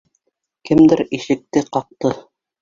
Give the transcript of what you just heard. Кемдер ишекте ҡаҡты.